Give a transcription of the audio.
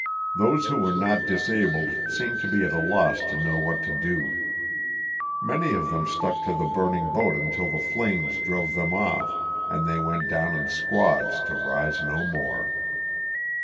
Those who were not disabled seemed to be at a loss to know what to do. Many of them stuck to the burning boat until the flames drove them off and they went down in squads to rise no more.